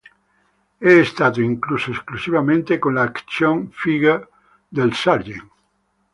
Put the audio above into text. È stato incluso esclusivamente con l'action figure del Sgt.